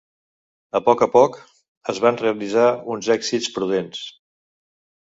A poc a poc, es van realitzar uns èxits prudents.